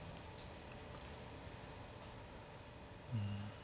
うん。